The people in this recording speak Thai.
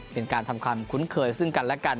เป็นการทำความคุ้นเคยซึ่งกันและกัน